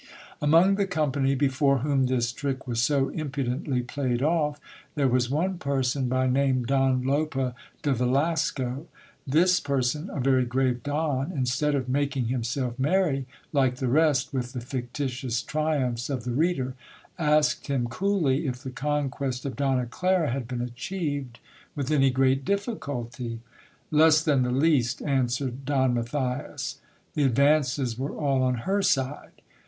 Among the company, before whom this trick was so impudently played off, there was one person, by name Don Lope de Velasco. This per so l, a very grave don, instead of making himself merry like the rest with the fictitious triumphs of the reader, asked him coolly if the conquest of Donna Clara had been achieved with any great difficulty ? Less than the least, answered Don Matthias ; the advances were all on her side.